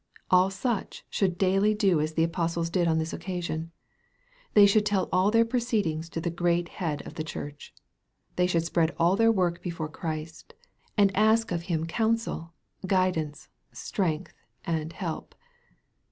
All such should daily do as the apostles did on this occasion. They should tell all their proceedings to the great Head of the Church. They should spread all their work before Christ, and ask of Him counsel, guidance, strength, and help.